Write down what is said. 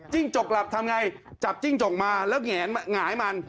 จกหลับทำไงจับจิ้งจกมาแล้วหงายมัน